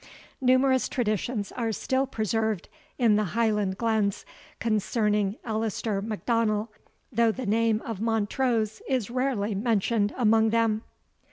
Numerous traditions are still preserved in the Highland glens concerning Alister M'Donnell, though the name of Montrose is rarely mentioned among them.